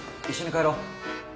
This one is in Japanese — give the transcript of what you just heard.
一緒に帰ろう。